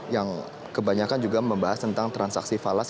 yang kebanyakan juga membahas tentang transaksi falas